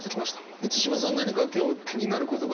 満島さん何か今日気になる言葉ありました？